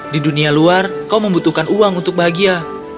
di dunia luar kau membutuhkan uang untuk bahagia